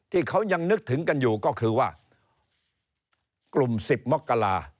ที่เขายังนึกถึงกันอยู่ก็คือว่ากลุ่ม๑๐มกรา